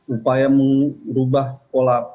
upaya mengubah pola paradigma dan kultur yang militer